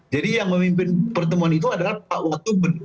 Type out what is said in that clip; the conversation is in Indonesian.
jadi yang memimpin pertemuan itu adalah pak watu ben